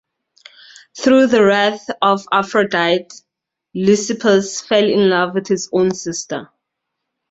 Through the wrath of Aphrodite, Leucippus fell in love with his own sister.